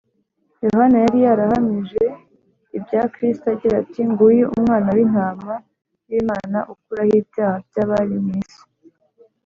yohana yari yarahamije ibya kristo agira ati: ‘nguyu umwana w’intama w’imana, ukuraho ibyaha by’abari mu isi’